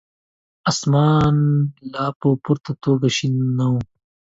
اسمان لا په پوره توګه شين نه وو.